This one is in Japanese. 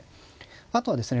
あとはですね